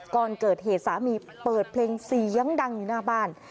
ก่อนเกิดเหตุสามีเปิดเพลงเสียงดังอยู่หน้าบ้าน